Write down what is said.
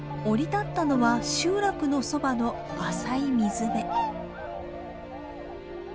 降り立ったのは集落のそばの浅い水辺。